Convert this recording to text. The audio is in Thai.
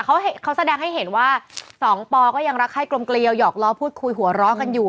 เขาแสดงให้เห็นว่าสองปอก็ยังรักให้กลมเกลียวหยอกล้อพูดคุยหัวเราะกันอยู่